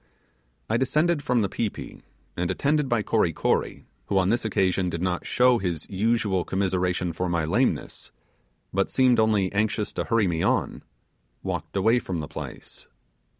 I descended from the pi pi, and attended by Kory Kory, who on this occasion did not show his usual commiseration for my lameness, but seemed only anxious to hurry me on, walked away from the place.